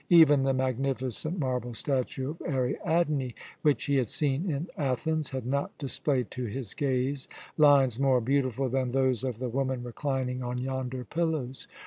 Even the magnificent marble statue of Ariadne, which he had seen in Athens, had not displayed to his gaze lines more beautiful than those of the woman reclining on yonder pillows.